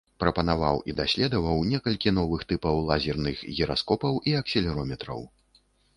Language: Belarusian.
Прапанаваў і даследаваў некалькі новых тыпаў лазерных гіраскопаў і акселерометраў.